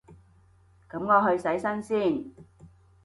噉我去洗身先